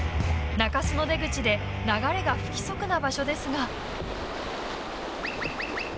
中州の出口で流れが不規則な場所ですが。